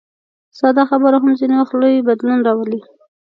ساده خبره هم ځینې وخت لوی بدلون راولي.